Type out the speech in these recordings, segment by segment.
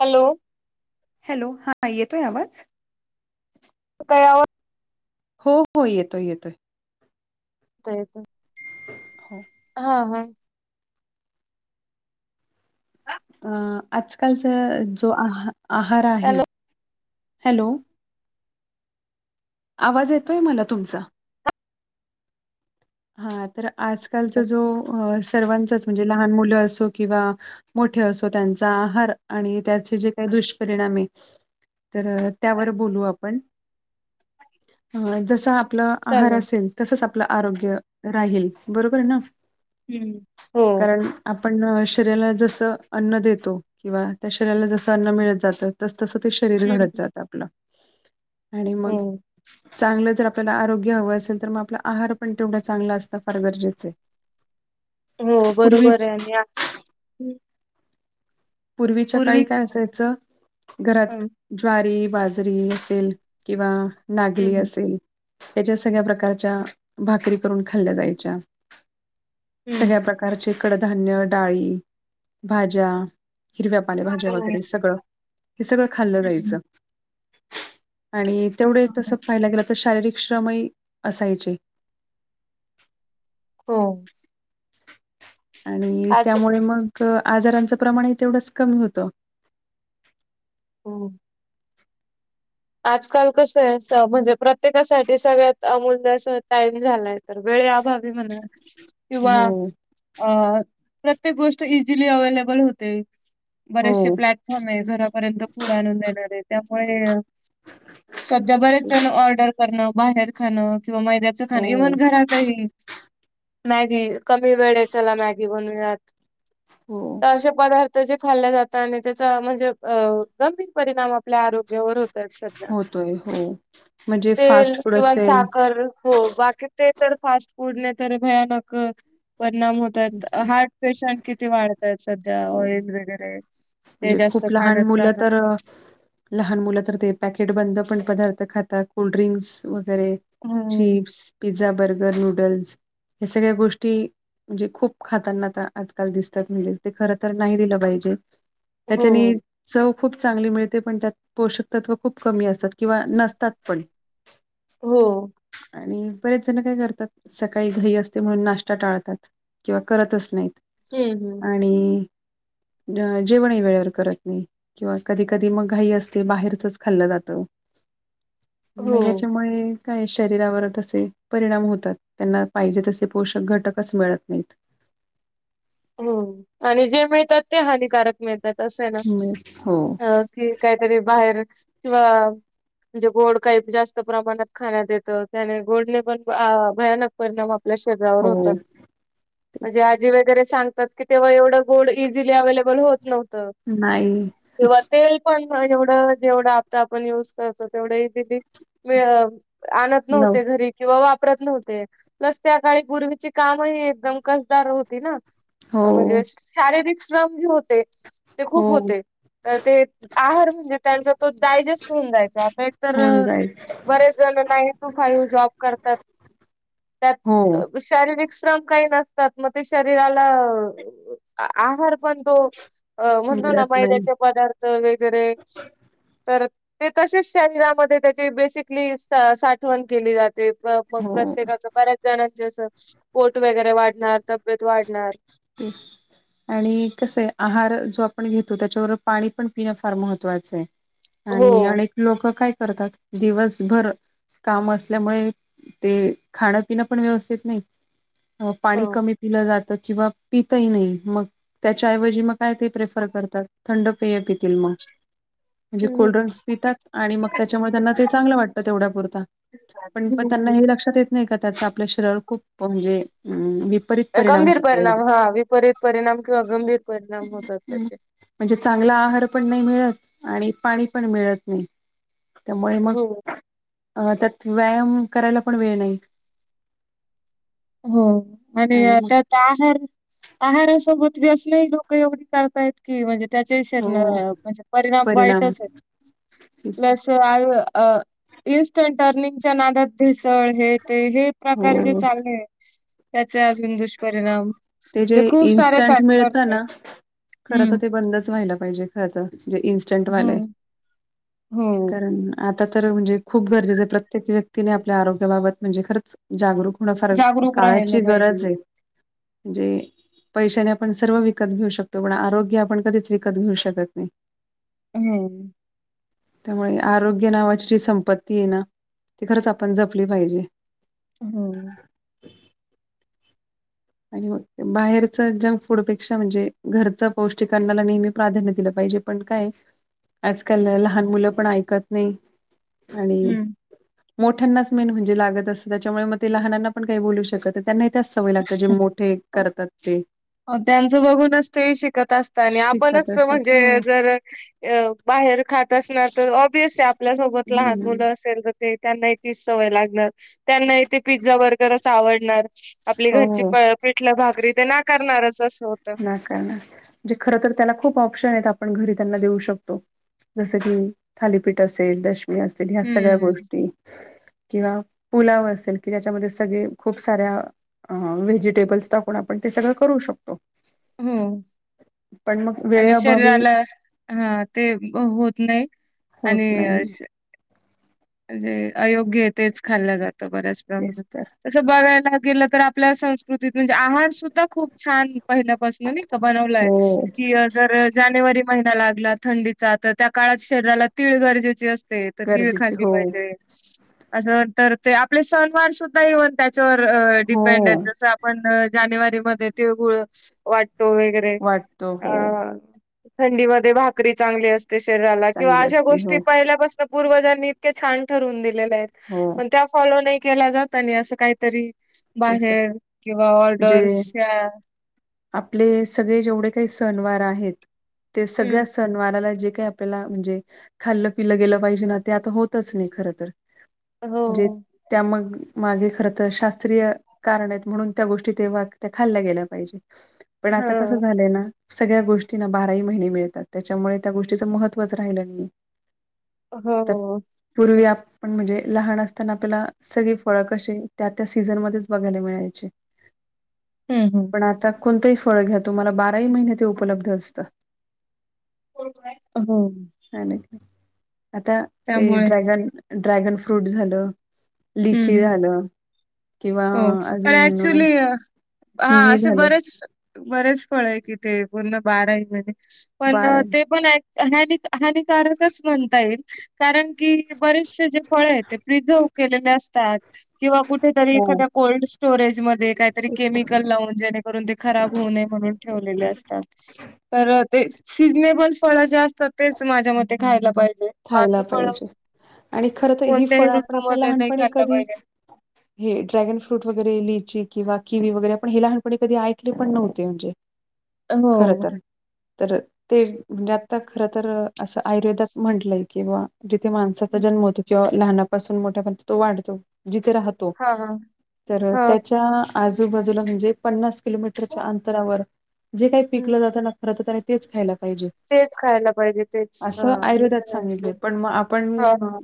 Hello. Hello. हा येतोय आवाज? तयावर हो हो. येतोय येतोय. का येतोय. हो. हा हा. अं आजकालचा जो आ आहार आहे- हॅलो हॅलो. आवाज येतोय मला तुमचा. हा तर आजकालचा जो- सर्वांचाच म्हणजे लहान मुल असो किंवा मोठे असो. त्यांचा आहार आणि त्याचे जे काही- दुष्परिणामये तर त्यावर बोलू आपण. ह जस आप - आपला आहार चालेल असेल, तसच आपलं आरोग्य राहील बरोबर ना? हम्म हो. कारण आपण शरीराला जस अन्न देतो किंवा त्या शरीराला जस अन्न मिळत जात तसं - तसं ते शरीर घडत हम्म जात आपलं. आणि मग हो चांगलं जर आपल्याला आरोग्य हवं असेल तर मग आपला आहार पण तेवढा- चांगला असण फार गरजेचं आहे. हो पूर्वी बरोबर आहे. मी - पूर्वीच्या काळी काय असायचं? घरात हम्म ज्वारी- बाजरी असेल किंवा नागली हम्म असेल- त्याच्या सगळ्या प्रकारच्या भाकरी करून खाल्ल्या जायच्या. हम्म सगळ्या प्रकारचे कडधान्य, डाळी, भाज्या- हिरव्या पालेभाज्या वगैरे सगळं. हे सगळं खाल्लं जायचं. आणि तेवढे हो तसं पाहायला गेलं- शारीरिक श्रमही असायचे. हो. आणि आज त्यामुळे मग? आजारांचं प्रमाण हे तेवढंच कमी होतं. हो. आजकाल कस आहे म्हणजे प्रत्येकासाठी सगळ्यात अमूल्य असा टाईम झालाय तर, - वे अभावी म्हणा. किंवा हो, अ प्रत्येक गोष्ट इझिली अवेलेबल होते. बरेचसे हो, प्लॅटफॉर्म आहे घरापर्यंत पुढे आणून देणारे त्यामुळे- सध्या बरेच जण ऑर्डर करणं बाहेर खाणं- मैद्याच खाण हो, इव्हन घरातहि [unintelligible] वेळेला मॅगी हो, बनूयात असे पार्थ जे खाल्ल्या जात आणि त्याचा म्हणजे अ गंभीर परिणाम आपल्या आरोग्यावर होतो सध्या होतोय हो. म्हणजे तेल फास्ट फूड किंवा असेल साखर हो बाकी ते च फास्ट फूड नाही तर भयानक परिणाम होतात हार्ट पेशंट किती वाढतात सध्या हो ऑइल वगैरे ते म्हणजे जास्त खूप लहान खाण्यात मुलं प्रमाण तर लहान मु ते पॅकेट बंद पदार्थ खातात कोड्रिंस हो चिप्स पिझ्झा बर्गर नूडल्स या सगळ्या गोष्टी म्हणजे खूप खातनाता आजकाल दिसतात म्हणज ते खर तर नाही दिलं पाहिजे हो त्याच्याने चौ खूप चांगली मिळते पण त्यात पोषक तत्व खूप कमी असतात किंवा नसतात पण हो आणि बरेच जण काय करतात सकाळी घई असते म्हणून नाश्ता टाळतात किंवा करतच नाहीत हम्म हम्म आणि अ जेवणही वेळेवर करत नाही किंवा कधी कधी मग घाई असते बाहेरचच खाल्लं जात मग हो. याच्यामुळे काय शरीरावर तसे परिणाम होतात त्यांना पाहिजे तसे पोषक घटकच मिळत नाहीत [inaudible] हो आणि जे मिळतात ते हानिकारक मिळता अस आहे ना हं. हो. अ कि काहीतरी बाहेरच किंवा म्हणजे गोड काही जास्त प्रमाणात खाण्यात येत त्याने गोडने पण भ भयानक परिणाम आप शरीरावर हो होतात तेच म्हणजे तर आजी वगैरे सांगतात की तेव्हा एवढ गोड इझिली अव्हेलेबल [unintelligible] होत नव्हत नाही तेव्हा तेल पण एवढं जेवढं आता आपण युज करतो तेवढे आणत नव नव्हते घरी किवा वाप [unintelligible] प्रत्न होते प्लस त्या काळी पूर्वीची कामही एकदम कसदार होती ना हो, म्हणजे शारीरिक श्रम जे होते ते हो खूप होते तर ते आहार म्हणजे त्यांचा तो डायजेस्ट होऊन जायचा आता एक तर होऊन जायच. बरेच जण नान टू फाई जॉब करतात हो त्यात शारीरिक श्रम काही नसतात मग ते शरीराला अ आहार पण तो अ म्हणतो ना मिळत नाही. मैद्याचे पदार्थ वगैरे तर ते तसेच शरीरामध्ये त्याची बेसिकली सा साठवण केली जाते ते मग हो प्रत्येकाच बऱ्याच जणांचे असं पोट वगैरे वाढणार तब्येत वाढणार तीस आणि कसं आहे आहार जो आपण घेतो त्याच्यावर पाणी पण पिणं फार महत्त्वाचं आहे. हो आणि हो. अनेक लोक काय करतात दिवसभर काम असल्यामुळे ते खाणपिण पण व्यवस्थित नाही पाणी कमी पिलं जातं किंवा पितही नाही मग त्याच्या ऐवजी मग काय ते प्रेफर करतात थंड पेय पिता [unintelligible] म्हणजे हम्म हम्म. कोल्ड्रिंक्स पितात आणि मग त्याच्यामुळे त्यांना ते चांगलं वाटतं तेवढ्या पुुरत पण प त्यांना हम्म हे लक्षात येत नाही का त्याच आपलं शरीर खूप म्हणजे हम्म विप रीत परिणाम गंभीर होईल हा विपरीत परिणाम किंवा गंभीर परिणाम होतात त्याचे. म्हणजे चांगला आहार पण नाही मिळत [inaudible] आणि पाणी पण मिळत नाही त्यामुळे मग हो अ त्यात व्यायाम करायला पण वेळ नाही हो आणि त्यात आहार आहारासोबत व्यसन हि लोकं एवढी करतायेत की म्हणजे त्याच्या शरण हो म्हणजे परिणाम वाईटच आहे तेच ना. प्लस आयु अ.. इन्स्टंट अर्निंगच्या नादात भेसळ हे ते हे प्रकार जे हो चालले त्याचे अजून दुष्परिणाम ते जे खूप सारे इन्स्टंट मिळत फॅक्टर्स आहे. ना! खरं त हम्म ते बंदच व्हायला पाहिजे खरं त जे हो इन्स्टंटवालंए. हो. आता तर म्हणजे खूप गरजेचं ए. प्रत्येक व्यक्तीने आपल्या आरोग्याबाबत म्हणजे खरंच जागरूक होणं फार जागरूक राहायला काळाची गरज पाहिजे. ए म्हणजे पैशाने आपण सर्व विकत घेऊ शकतो पण आरोग्य आपण कधीच विकत घ्यूऊ शकत नाही. हम्म! त्यामुळे आरोग्य नावाची जी संपत्ती ए ना, ती खरंच आपण जपली पाहिजे. हो. [unintelligible] आणि म बाहेरच जंक फूडपेक्षा म्हणजे घरचं पौष्टिक अन्नाला नेहमी प्राधान्य दिलं पाहिजे. हे जे पण काय आजकाल लहान मुलं पण ऐकत नाही आणि हम्म. मोठ्यांनाच मेन म्हणजे लागत असतं, त्याच्यामुळे मग ते लहानांना पण काही बोलू शकत न त्यांनाही त्याच स त्या जे मोठे करतात ते हो त्यांच बघूनच ते शिकत असता आणि शिकत आपणच ज असतात म्हणजे हो. जर अ बाहेर जर खात असला तर ओब्वियस ए आपल्या सोबत लहान हम्म. मुलं असेल तर ते त्यांनाही तीच सवय लागणार, त्यांनाही ते पिझ्झा बर्गरच आवडणार. आपली घरची हो प पिठलं भाकरी ते नाकारणारच स ना का ना म्हणजे खरं तर त्याला खूप ऑप्शन एत आप पण घरी त्यांना देऊ शकतो, जस की थालीपीठ असेल दश हे असतील, ह्या सगळ्या हम्म गोष्टी किंवा पुलाव असेल कि ज्याच्यामध्ये सगळे खूप साऱ्या व्हेजिटेबल्स टाकून आपण ते सगळं करू शकतो. हम्म! पण मग आणि वेळेअभावी शरीराला हा ते हो नाई होत आणि नाही म्हणजे अयोग्य ए तेच खाल्लं जातं. त बऱ्याच तेच प्रमाणात तर तसं बघायला गेलं तर आपल्या संस्कृतीत म्हणजे आहार सुद्धा खूप छान पहिल्या पासनं नई का बनवलाय हो की जर जानेवरीत महिना लागला थंडीचा त त्या काळात शरीराला तीळ गरजेचे अस ते त तिळ गरजेचे खाल्ली हो पाहिजे, असं तर ते आपले सणवार सुद्धा हे होत्यांत तर डिपेंडए हो. जसं आपण जानेवारी मध्ये तिळगुळ वाट तो वेगरे वाटतो हो. अ... थंडीमधे भाकरी चांगली असते शरीराला किंवा चांगली अशा असते हो, गोष्टी पाहिल्यापासनं पूर्वजांनी इतक्या छान ठरवून दिलेल्याएत हो. पण त्या फॉलो नाही केल्या जात आणि आसं काहीतरी तेच तर बाहेर किंवा म्हणजे ऑर्डर्स या आपले सगळे जेवढे काही सणवार आहेत ते हम्म. सगळ्या सणवाराला जे ते आपल्याला म्हणजे खाल्लं पिल्लं गेलं पाहिजे ना ते आता होतच नाही खरं तर े जे हो. त्या मग मागे खर तर शास् य कारण आएत म्हणून त्या गोष्टी तेव्हा त्या खाल्ल्या गेल्या पाहिजे. पण आता कसं हो, झालंय ना! सगळ्या गोष्टींना बाराही महिने मिळतात, त्याच्यामुळे त्या गोष्टीचं महत्त्वच राहिलं नाही. त हो. पूर्वी आपण म्हणजे लहान असताना आपल्याला सगळे फळं कशे त्या त्या सीझनमध्येच बघायला मिळायचे. हम्म, हम्म. पण आता कोणतंही फळ घ्या, तुम्हाला बाराही महिने ते उपलब्ध असतं. [unintelligible] हो. हाय ना की. आता ते त्यामुळे ड्रॅगन.. ड्रॅगन फ्रूट झालं, हम्म, लिची हम्म. झालं किंवा हो. तर अजून ऍक्चुली हा किवी असे झालं बरेच बरेच फळ आहे कि ते पूर्ण बाराही महिने पण बारा ते पण हनि हानिकारकच म्हणता येईल. कारण की बरेचसे जे फळे आहे. ते प्रिझर्व केलेले असतात. किंवा कुठं तरी हो एखाद्या कोल्ड स्टोरेजमध्ये काहीतरी केमिकल लावून जेणेकरून ते खराब होऊ नये म्हणून ठेवले असतात. तर ते सीजनेबल फळ जे असतात, तेच माझ्या मते खायला पाहिजे. खायला बाकी फळ पाहिजे. आणि खर तर ही कोणत्याही फळ आपण आपल्या ऋतूमध्ये नाही लहानपणी खाल्लं कधी पाहिजे हेड ड्रॅगन फ्रूट वगैरे लिची किंवा किवी वगैरे पण हे लहानपणी कधी ऐकले पण नव्हते. म्हणजे हो खरं तर. तर ते म्हणजे आता खर तर असं आयुर्वेदात म्हटलंय किं बवा जिथे माणसाचा जन्म होतो. किंवा लहानापासून मोठ्यापर्य तो वाढतो. जिथ हा हा तर हा त्याच्या आजूबाजूला म्हणजे पन्नास किलोमीटरच्या अंतरावर जे काही हम्म पिकलं जातना खर तर त्याने तेच खायला पाहिजे. तेच खायला पाहिजे. तेच. ह असं आयुर्वेदात सांगितले आहे. पण मग आपण हा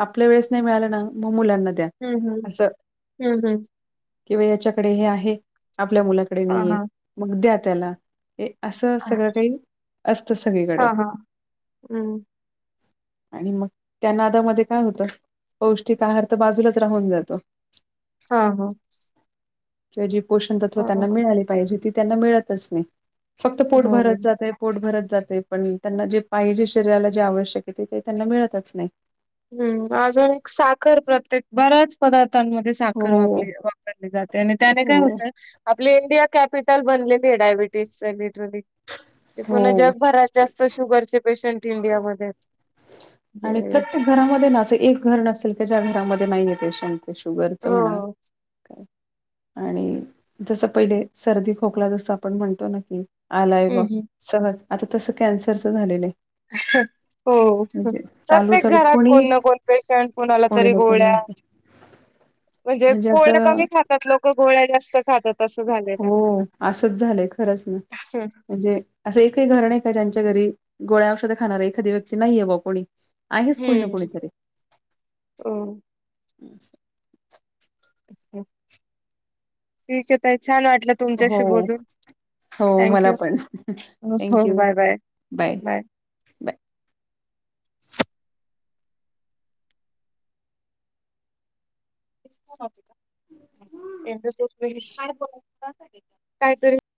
आपल्या वेळेस नाही मिळालं ना मुलांना द्या हम्म हम्म अस. हम्म हम्म किंवा याच्याकडे हे आहे,, आपल्या मुलाकडे हा नाहीय, हा मग द्या त्यांला. असं सगळं काही असतं हा सगळीकडे. हा हम्म आणि मग त्या नादामध्ये काय होतं. पौष्टिक आहार तर बाजूलाच राहून जातो. हा हा किंवा जी पोषण तत्व त्यांना बरोबर मिळाली पाहिजे. ती त्यांना मिळतच नाही. फक्त पोट भरत हो जातय, पोट भरत जातय, पण त्यांना जे पाहिजे शरीराला जे आवश्यक आहे ते त्यांना मिळतच नाही. हम्म अजून एक साखर प्रत्येक बऱ्याच पदार्थ साखर हो, वापली वापरली जाते. आणि त्याने काय हो. होत आपली इंडिया कॅपिटल बनलेली आहे. डायबिटीज ते पुन्हा हो जगभरात जास्त शुगरचे पेशंट इंडियामध्ये आहेत. आणि म्हणजे प्रत्येक घरामध्ये ना, असे एक घर नसेल की ज्या घरामध्ये नाहीय पेशंट. शुगरच हो म्हणा काय आणि जस पहिले सर्दी खोकला जस आपण म्हणतो ना की आलाय हम्म बघ, हम्म सहज आता तस कॅन्सरच झालेलं आहे. हो. म्हणजे चालू प्रत्येक चालू घरात कोणी कोण ना कोण पेशंट, कुणाला कोणी तरी ना कोणी गोळ्या आहे [inaudible] म्हणजे पोळ्या असं, कमी खातात लोक गोळ्या जास्त खातात असं झालेलं आहे. हो असच झालंय खरच ना. म्हणजे असं एकही घर न काय यांच्या घरी गोळ्या औषध खाणार एखादी व्यक्ती नाहीये बा कोणी आहेच कूणी ना कूणी हम्म. तरी. ओके ठीक आहे ताई, छान वाटलं हो तुमच्याशी बोलून. हो थँक मला यू. पण थँक्यू बाय बाय बाय. [unintelligible]